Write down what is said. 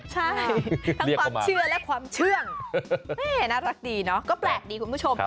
ใช่ทั้งความเชื่อและความเชื่องแม่น่ารักดีเนาะก็แปลกดีคุณผู้ชม